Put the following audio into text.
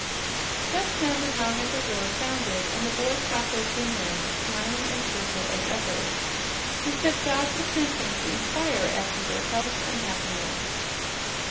Just then the gong at the door sounded, and the boy Sacho came in smiling and cheerful as ever. He said Zog had sent him to inquire after their health and happiness.